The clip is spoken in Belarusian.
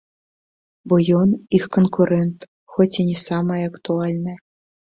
Бо ён -—іх канкурэнт, хоць і не самае актуальнае.